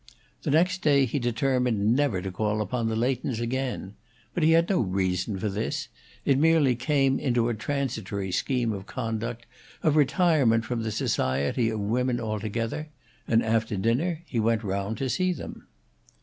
The next day he determined never to call upon the Leightons again; but he had no reason for this; it merely came into a transitory scheme of conduct, of retirement from the society of women altogether; and after dinner he went round to see them.